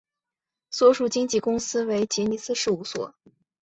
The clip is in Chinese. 所属经纪公司为杰尼斯事务所。